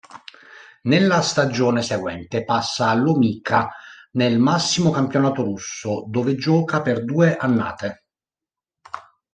Nella stagione seguente passa all'Omička, nel massimo campionato russo, dove gioca per due annate.